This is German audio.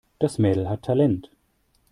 Das Mädel hat Talent.